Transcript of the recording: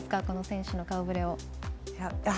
この選手の顔ぶれを。